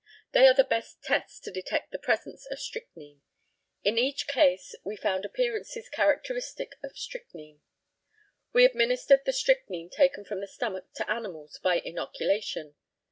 They are the best tests to detect the presence of strychnine. In each case we found appearances characteristic of strychnine. We administered the strychnine taken from the stomach to animals by inoculation.